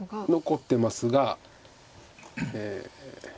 残ってますが。